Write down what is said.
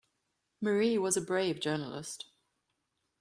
Marie was a brave journalist.